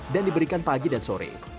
dan diberikan pagi dan sore